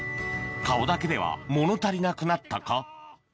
顔だけでは物足りなくなったか？